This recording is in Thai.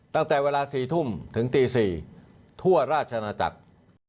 ตั้งแต่เวลา๔ทุ่มถึงตี๔ทั่วราชนาจักร